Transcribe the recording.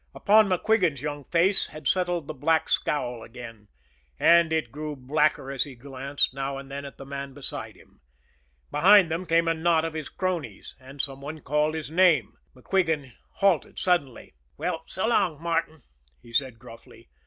Upon MacQuigan's young face had settled the black scowl again; and it grew blacker as he glanced, now and then, at the man beside him. Behind them came a knot of his cronies and some one called his name. MacQuigan halted suddenly. "Well, so long, Martin," he said gruffly.